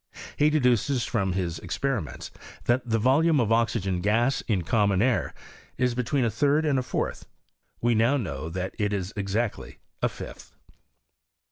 He deduces from his experiments, that the volume of oxygen gas, in common air, is between a third and a fourth : we now know that it is exactly a fifth.